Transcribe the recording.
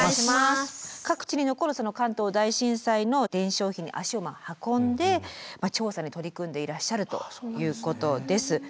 各地に残るその関東大震災の伝承碑に足を運んで調査に取り組んでいらっしゃるということです。